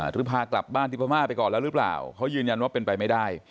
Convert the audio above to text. หรือพากลับบ้านที่พม่าไปก่อนแล้วหรือเปล่าเขายืนยันว่าเป็นไปไม่ได้